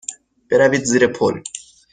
بروید زیر پل.